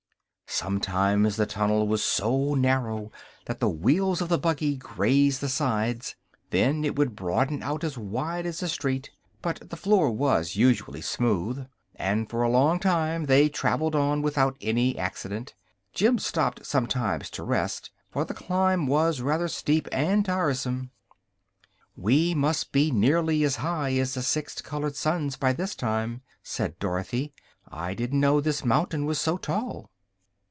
Sometimes the tunnel was so narrow that the wheels of the buggy grazed the sides; then it would broaden out as wide as a street; but the floor was usually smooth, and for a long time they travelled on without any accident. Jim stopped sometimes to rest, for the climb was rather steep and tiresome. "We must be nearly as high as the six colored suns, by this time," said Dorothy. "I didn't know this mountain was so tall."